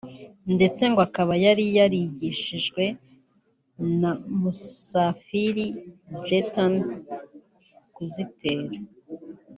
ndetse ngo akaba yari yarigishijwe na Musafili Gaëtan kuzitera